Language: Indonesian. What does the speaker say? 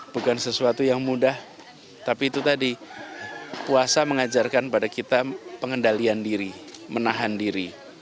bukan sesuatu yang mudah tapi itu tadi puasa mengajarkan pada kita pengendalian diri menahan diri